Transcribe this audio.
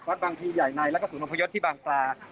บางทีใหญ่ในแล้วก็ศูนยพยศที่บางปลา